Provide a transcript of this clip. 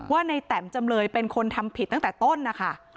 ว่าในแตมจำเลยเป็นคนทำผิดตั้งแต่ต้นนะคะ